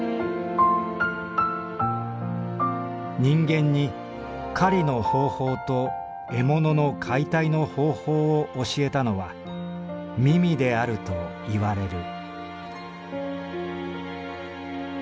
「人間に狩りの方法と獲物の解体の方法を教えたのはミミであるといわれる」。